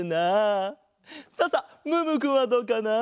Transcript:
さあさあムームーくんはどうかな？